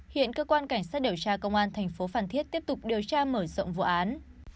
hiện cơ quan cảnh sát điều tra công an thành phố phan thiết tiếp tục điều tra mở rộng vụ án